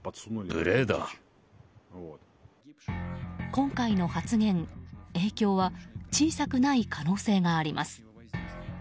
今回の発言、影響は小さくない可能性があります。